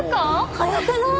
早くない？